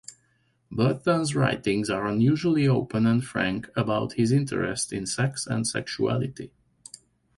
Burton's writings are unusually open and frank about his interest in sex and sexuality.